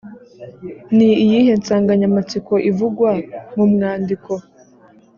Ni iyihe nsanganyamatsiko ivugwa mu mwandiko?